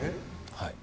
はい。